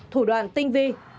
một thủ đoạn tinh vi